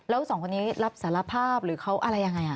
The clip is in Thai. แล้วสองคนนี้รับสารภาพหรือเขาอะไรยังไง